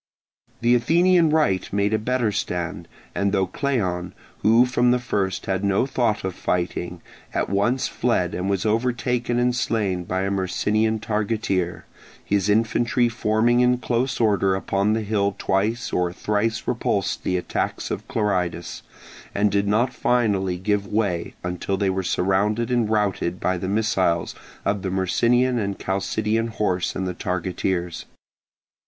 The Athenian right made a better stand, and though Cleon, who from the first had no thought of fighting, at once fled and was overtaken and slain by a Myrcinian targeteer, his infantry forming in close order upon the hill twice or thrice repulsed the attacks of Clearidas, and did not finally give way until they were surrounded and routed by the missiles of the Myrcinian and Chalcidian horse and the targeteers.